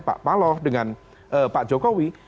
pak paloh dengan pak jokowi